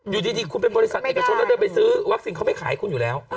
อยู่ดีคุณเป็นบริษัทเอกชนแล้วเดินไปซื้อวัคซีนเขาไม่ขายคุณอยู่แล้ว